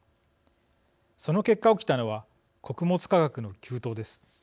その結果、起きたのは穀物価格の急騰です。